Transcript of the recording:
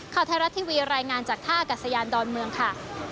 ข่าวไทยรัฐทีวีรายงานจากท่ากัศยานดอนเมืองค่ะ